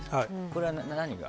これは何が。